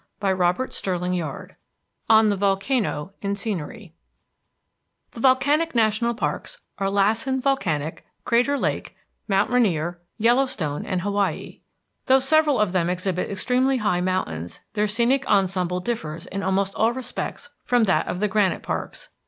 THE VOLCANIC NATIONAL PARKS ON THE VOLCANO IN SCENERY The volcanic national parks are Lassen Volcanic, Crater Lake, Mount Rainier, Yellowstone, and Hawaii. Though several of them exhibit extremely high mountains, their scenic ensemble differs in almost all respects from that of the granite parks.